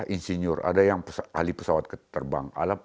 insinyur ada yang ahli pesawat terbang